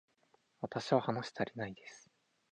私は話したりないです